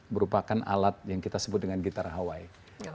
merupakan alat yang kita sebut dengan gitar hawaii